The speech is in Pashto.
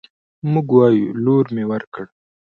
موږ وايو: لور مې ورکړ